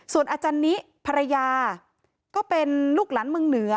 ส่วนอาจารย์นิภรรยาก็เป็นลูกหลานเมืองเหนือ